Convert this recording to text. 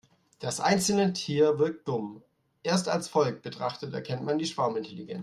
Das einzelne Tier wirkt dumm, erst als Volk betrachtet erkennt man die Schwarmintelligenz.